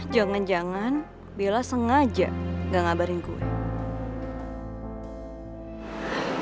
jangan jangan bila sengaja gak ngabarin gue